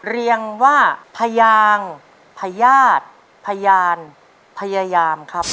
เรียกว่าพยางพญาติพยานพยายามครับ